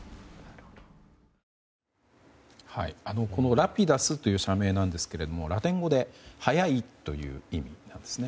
ラピダスという社名なんですけどもラテン語で「速い」という意味なんですね。